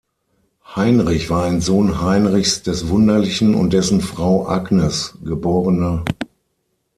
Heinrich war ein Sohn Heinrichs des Wunderlichen und dessen Frau Agnes, geb.